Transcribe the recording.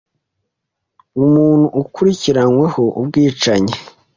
umuntu akurikiranyweho ubwicanyi